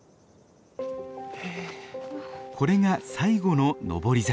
これが最後の上り坂。